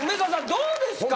どうですか？